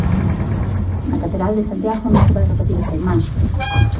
Na Catedral de Santiago non se vai repetir esta imaxe.